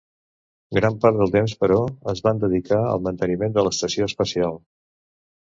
Gran part del temps, però, es van dedicar al manteniment de l'estació espacial.